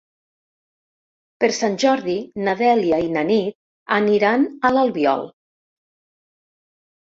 Per Sant Jordi na Dèlia i na Nit aniran a l'Albiol.